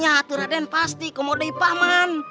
ya raden pasti kamu sudah paham